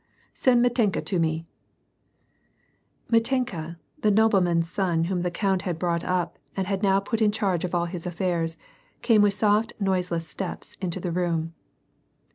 "SendMit enka to me !" Mitenka, the nobleman's son whom the count had brought up and had now put in charge of all his affairs, came with soft noiseless steps into the room.